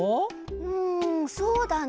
うんそうだな。